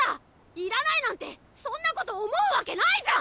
いらないなんてそんなこと思うわけないじゃん！